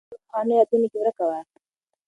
انا په خپلو پخوانیو یادونو کې ورکه وه.